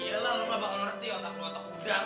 iya lah lu gak bakal ngerti otak lu otak udang